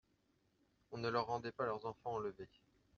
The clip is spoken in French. On ne leur rendait pas leurs enfants enlevés.